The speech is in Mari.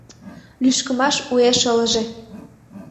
Лӱшкымаш уэш ылыже.